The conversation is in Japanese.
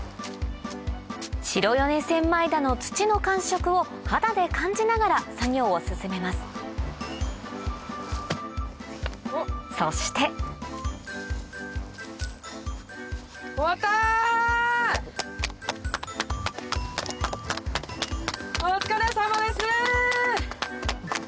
白米千枚田の土の感触を肌で感じながら作業を進めますそしてお疲れさまです！